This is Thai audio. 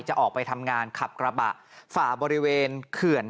จะออกไปทำงานขับกระบะฝ่าบริเวณเขื่อน